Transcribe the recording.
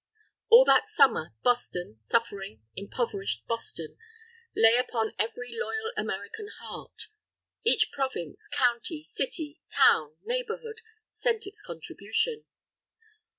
All that Summer, Boston, suffering, impoverished Boston, lay upon every loyal American heart. Each province, county, city, town, neighbourhood, sent its contribution.